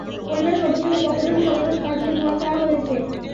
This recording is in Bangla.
পরিবারের সদস্যদের পক্ষ থেকে সবার কাছে তাঁর জন্য দোয়া চাওয়া হয়েছে।